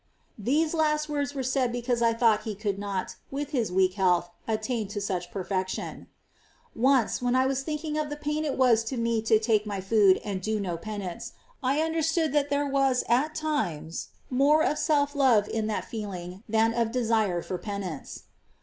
These last words were said because I thought he could not, with his weak health, attain to such perfection. 3. Once, when I was thinking of the pain it was to me to take my food and do no penance, I under flJu'gion. stood that there was at times more of self love in that feeling than of a desire for penance.